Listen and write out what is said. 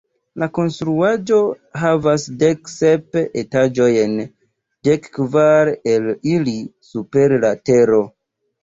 La konstruaĵo havas dek sep etaĝojn, dek kvar el ili super la tero.